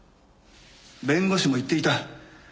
弁護士も言っていた。